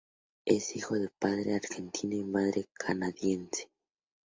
Es hijo de padre argentino y madre canadiense.